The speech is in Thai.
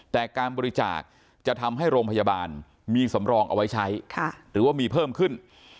แต่การบริจาคจะทำให้โรงพยาบาลมีสำรองเอาไว้ใช้หรือว่ามีเพิ่มขึ้น